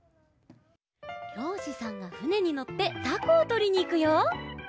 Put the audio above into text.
りょうしさんがふねにのってタコをとりにいくよ。